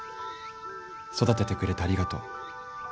育ててくれてありがとう。